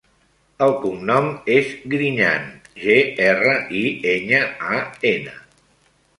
El cognom és Griñan: ge, erra, i, enya, a, ena.